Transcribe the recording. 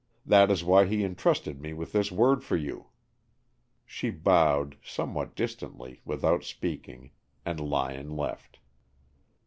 That is why he entrusted me with this word for you." She bowed, somewhat distantly, without speaking, and Lyon left.